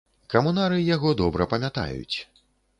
Камунары яго добра памятаюць.